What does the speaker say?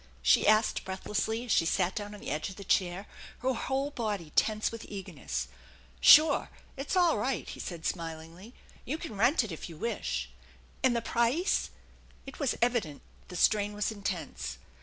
she asked breathlessly as she sat down on the edge of the chair, her whole body tense with eagerness. "Sure! It's all right," he said smilingly. "You can rent it if you wish." "And the price ?" It was evident the strain was intense.